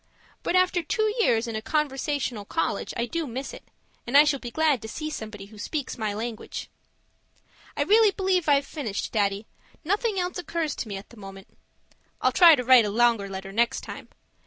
But after two years in a conversational college, I do miss it; and I shall be glad to see somebody who speaks my language. I really believe I've finished, Daddy. Nothing else occurs to me at the moment I'll try to write a longer letter next time.